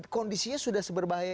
kondisinya sudah seberbahaya